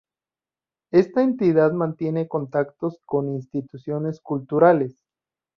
Esta entidad mantiene contactos con instituciones culturales.